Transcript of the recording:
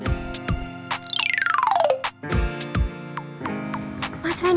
masal yang perlu sama kamu